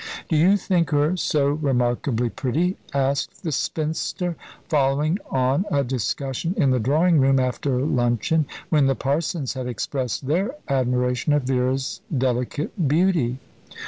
"Do you think her so remarkably pretty?" asked the spinster, following on a discussion in the drawing room after luncheon, when the parsons had expressed their admiration of Vera's delicate beauty.